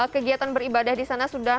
kegiatan beribadah di sana sudah